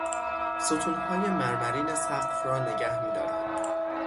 ستونهای مرمرین سقف را نگه میدارند.